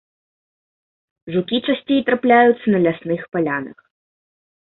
Жукі часцей трапляюцца на лясных палянах.